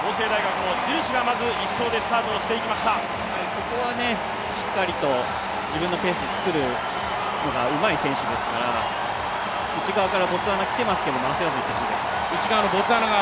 ここはしっかりと自分のペースを作るのがうまい選手ですから、内側からボツワナ来てますけど焦らず行ってほしいです。